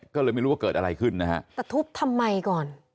ก็เลยไม่รู้ว่าเกิดอะไรขึ้นนะฮะแต่ทุบทำไมก่อน